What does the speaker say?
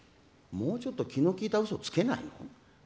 もうちょっと気の利いたうそをつけないの？